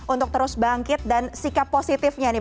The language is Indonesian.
untuk terus bangkit dan sikap positifnya nih